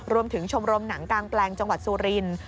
ชมรมหนังกลางแปลงจังหวัดสุรินทร์